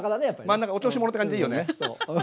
真ん中お調子者って感じでいいよね。